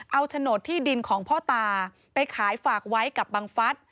เอาโฉนดที่ดินของพ่อตาไปขายฝากไว้กับบังฟัฐ